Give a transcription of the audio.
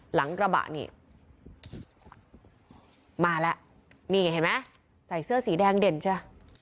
หลังกระบะนี่มาแล้วนี่เห็นไหมใส่เสื้อสีแดงเด่นใช่ไหม